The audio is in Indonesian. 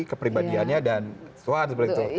kepribadiannya dan tuhan seperti itu